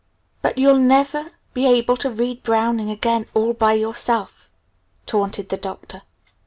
"But you'll never be able to read Browning again 'all by yourself'," taunted the Doctor.